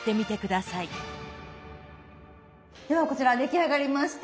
ではこちら出来上がりました。